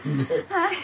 はい。